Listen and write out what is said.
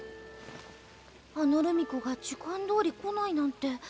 あの留美子が時間どおり来ないなんて。